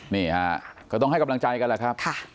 นี่ฮะก็ต้องให้กำลังใจกันแหละครับ